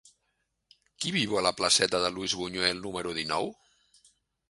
Qui viu a la placeta de Luis Buñuel número dinou?